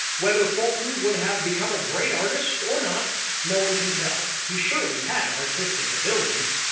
Whether Fulton would have become a great artist or not, no one can tell. He surely had artistic ability.